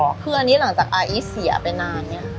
คืออันนี้หลังจากอาอีทเสียไปนานเนี่ย